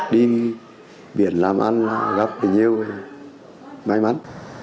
đi biển làm ăn là gặp nhiều may mắn